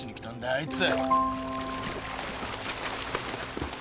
あいつ。